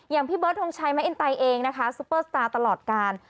พี่เบิร์ดทงชัยแมคเอ็นไตเองนะคะซุปเปอร์สตาร์ตลอดการ